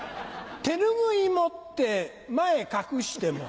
手拭い持って前隠しても。